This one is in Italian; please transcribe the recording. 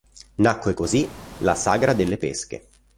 Nacque così la "Sagra delle Pesche".